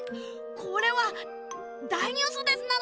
これはだいニュースですなのだ！